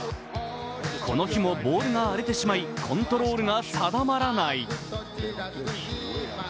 この日もボールが荒れてしまいコントロールが定まらない。